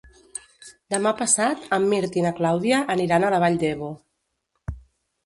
Demà passat en Mirt i na Clàudia aniran a la Vall d'Ebo.